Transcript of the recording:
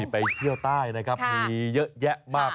ไปเที่ยวใต้นะครับมีเยอะแยะมาก